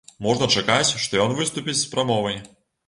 Можна чакаць, што ён выступіць з прамовай.